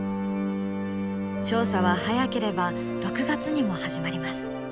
調査は早ければ６月にも始まります。